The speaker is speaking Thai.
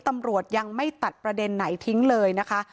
ตำรวจยังไม่ตัดประเด็นไหนทิ้งเลยนะคะ